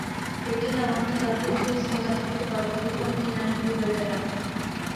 لیکن عوامی طاقت کے اس مظاہرے کے باوجود ان کی نااہلی برقرار ہے۔